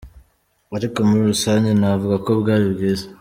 “Ariko muri rusange, navuga ko bwari bwiza.